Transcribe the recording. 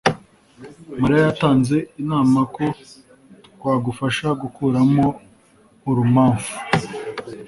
mariya yatanze inama ko twagufasha gukuramo urumamfu